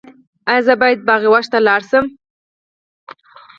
ایا زه باید باغ وحش ته لاړ شم؟